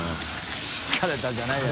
疲れた」じゃないよ。